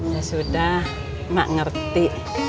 ya sudah mak ngerti